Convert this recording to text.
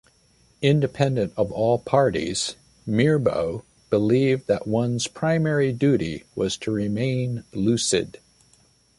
Independent of all parties, Mirbeau believed that one's primary duty was to remain lucid.